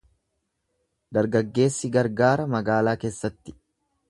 Dargaggeessi gargaara magaalaa keessatti.